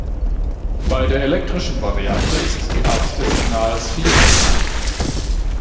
Bei der elektrischen Variante ist die Art des Signals vielfältig.